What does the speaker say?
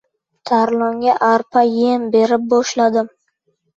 Tarlonga arpa yem berib boshladim.